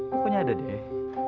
pokoknya ada deh